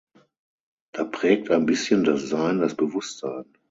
Da prägt ein bisschen das Sein das Bewusstsein.